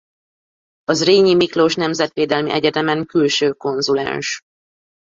A Zrínyi Miklós Nemzetvédelmi Egyetemen külső konzulens.